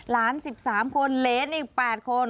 ล้าน๑๓คนเหลนอีก๘คน